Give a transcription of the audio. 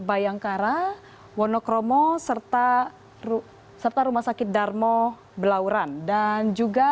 bayangkara wonokromo serta ru serta rumah sakit darmo belauran dan juga